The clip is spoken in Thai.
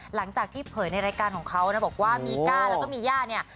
หลังจากที่เผยในรายการของเขานะบอกว่ามีก้าแล้วก็มีย่าเนี่ย